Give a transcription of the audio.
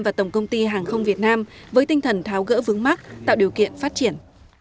và tổng công ty hàng không việt nam với tinh thần tháo gỡ vướng mắt tạo điều kiện phát triển